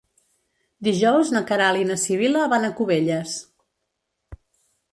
Dijous na Queralt i na Sibil·la van a Cubelles.